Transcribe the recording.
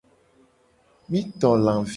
Mi to lavi.